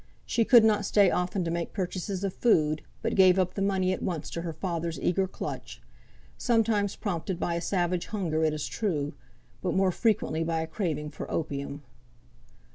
She could not stay often to make purchases of food, but gave up the money at once to her father's eager clutch; sometimes prompted by savage hunger it is true, but more frequently by a craving for opium.